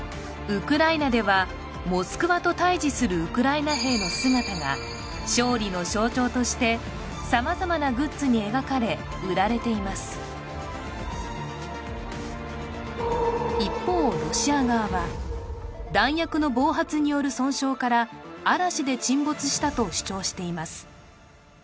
ウクライナではモスクワと対じするウクライナ兵の姿が勝利の象徴として様々なグッズに描かれ売られています一方ロシア側は弾薬の暴発による損傷から嵐で沈没したと主張しています